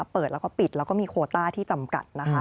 เปิดแล้วก็ปิดแล้วก็มีโคต้าที่จำกัดนะคะ